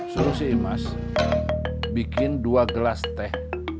suruh si imas bikin dua gelas teh